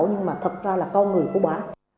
nhưng mà thật ra là câu người của bà